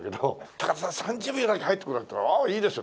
「高田さん３０秒だけ入ってください」って「ああいいですよ」